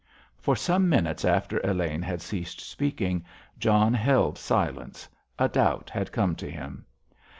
For some minutes after Elaine had ceased speaking John held silence—a doubt had come to him.